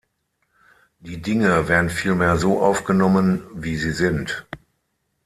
Die Dinge werden vielmehr so aufgenommen, „wie sie sind“.